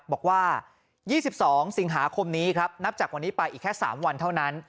บอกว่า๒๒สิงหาคมนี้ครับนับจากวันนี้ไปอีกแค่๓วันเท่านั้น